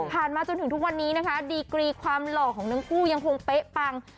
มาจนถึงทุกวันนี้นะคะดีกรีความหล่อของทั้งคู่ยังคงเป๊ะปัง